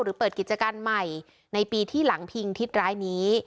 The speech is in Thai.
หรือเปิดกิจการใหม่ในปีที่หลังพิงทิศร้ายนี้